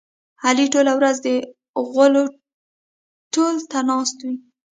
علي ټوله ورځ د غولو تول ته ناست وي.